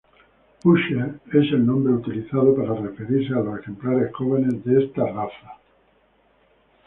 Buche es el nombre utilizado para referirse a los ejemplares jóvenes de esta raza.